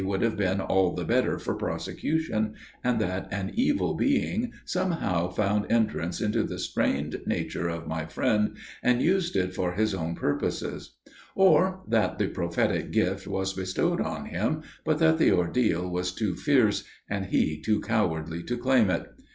would have been all the better for prosecution, and that an evil being somehow found entrance into the strained nature of my friend, and used it for his own purposes; or that the prophetic gift was bestowed on him, but that the ordeal was too fierce and he too cowardly to claim it.